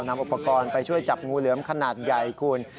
นำอุปกรณ์ไปช่วยจับงูเหลือมขนาดใหญ่คุณ